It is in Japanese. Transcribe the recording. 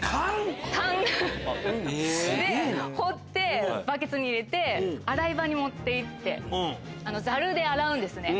で掘ってバケツに入れて洗い場に持って行ってザルで洗うんですね